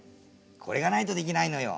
これがないとできないのよ。